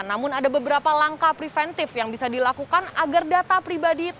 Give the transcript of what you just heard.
namun ada beberapa langkah preventif yang bisa dilakukan agar data pribadi